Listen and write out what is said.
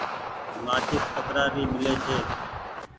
مآچيس ڪترآ ري ميلي ڇي۔